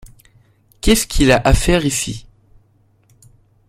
Qu’est-ce qu’il a à faire ici?